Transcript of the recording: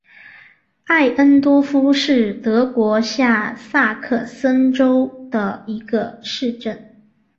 艾恩多夫是德国下萨克森州的一个市镇。